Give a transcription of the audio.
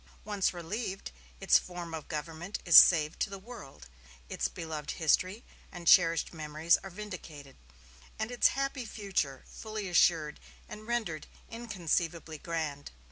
Once relieved, its form of government is saved to the world, its beloved history and cherished memories are vindicated, and its happy future fully assured and rendered inconceivably grand.